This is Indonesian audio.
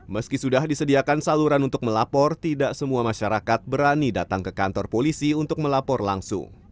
meski sudah disediakan saluran untuk melapor tidak semua masyarakat berani datang ke kantor polisi untuk melapor langsung